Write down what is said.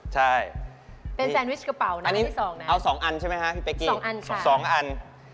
๒๐ใช่อันนี้เอา๒อันใช่ไหมคะพี่เป๊กกี้๒อัน